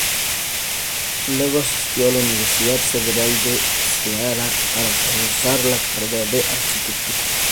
Luego asistió a la Universidad Federal de Ceará, para cursar la carrera de arquitectura.